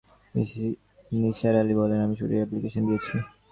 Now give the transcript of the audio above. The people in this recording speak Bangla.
নিসার আলি বললেন, আমি ছুটির অ্যাপ্লিকেশন দিয়েছি।